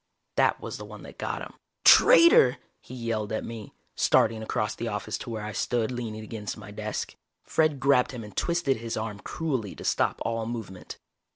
That was the one that got him. "Traitor!" he yelled at me, starting across the office to where I stood leaning against my desk. Fred grabbed him and twisted his arm cruelly to stop all movement.